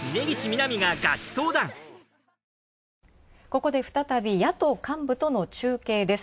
ここで、再び野党幹部との中継です。